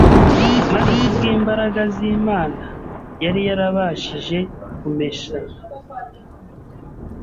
maze kubw'imbaraga z'Imana, yari yarabashije kumesha